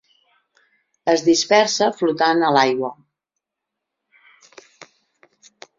Es dispersa flotant a l'aigua.